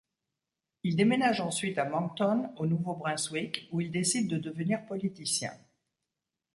Il déménage ensuite à Moncton, au Nouveau-Brunswick, où il décide de devenir politicien.